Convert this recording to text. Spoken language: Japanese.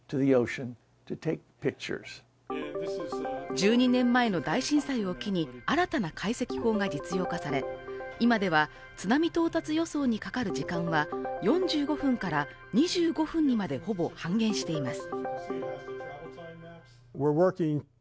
１２年前の大震災を機に新たな解析法が実用化され、今では津波到達予想にかかる時間は４５分から２５分にまでほぼ半減しています。